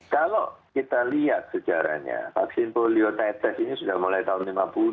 kalau kita lihat sejarahnya vaksin polio tetes ini sudah mulai tahun seribu sembilan ratus lima puluh